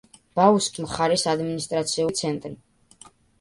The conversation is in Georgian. ბაუსკის მხარის ადმინისტრაციული ცენტრი.